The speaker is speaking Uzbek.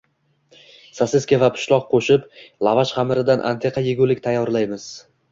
Sosiska va pishloq qo‘shib, lavash xamiridan antiqa yegulik tayyorlaymiz